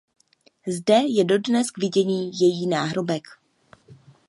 Zde je dodnes k vidění její náhrobek.